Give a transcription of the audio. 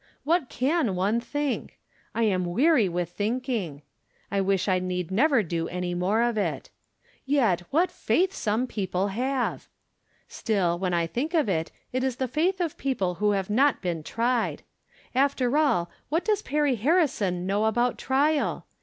What can one think ? I am weary with think ing. I wish I need never do any more of it. Yet, what faith some people have ! Still, when I think of it, it is the faith of people who have not been tried. After all, what does Perry Harrison know about trial